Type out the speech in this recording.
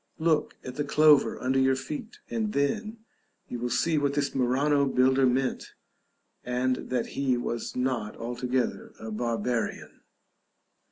Look at the clover under your feet, and then you will see what this Murano builder meant, and that he was not altogether a barbarian.